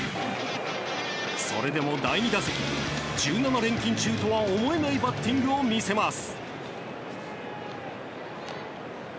それでも第２打席に１７連勤中とは思えないバッティングを見せます。